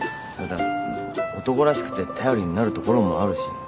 ただ男らしくて頼りになるところもあるし。